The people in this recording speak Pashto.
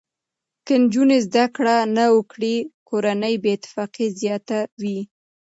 که نجونې زده کړه نه وکړي، کورنۍ بې اتفاقي زیاته وي.